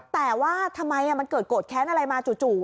แต่ว่าทำไมมันเกิดโกรธแค้นอะไรมาจู่